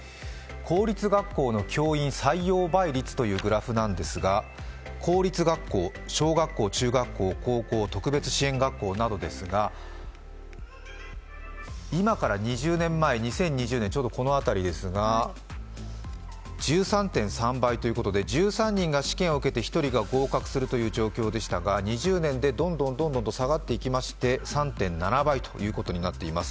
公立学校の教員採用倍率という表なんですが、公立学校、小学校、中学校、高校、特別支援学校などですが、今から２０年前、２０２０年ちょうどこの辺りですが１３．３倍ということで、１３人が試験を受けて１人が合格するという状況でしたが２０年でどんどん下がっていきまして、３．７倍ということになっています。